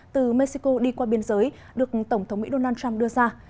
từ mexico đi qua biên giới được tổng thống mỹ donald trump đưa ra